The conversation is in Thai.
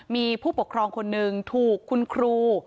มีผู้ปกครองคนหนึ่งถูกคุณครู